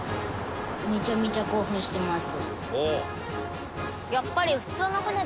めちゃめちゃ興奮してます。